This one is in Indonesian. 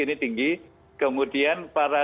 ini tinggi kemudian para